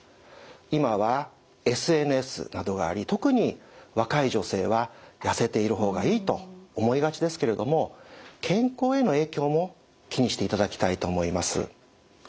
今はＳＮＳなどがあり特に若い女性はやせているほうがいいと思いがちですけれども健康への影響も気にしていただきたいと思います。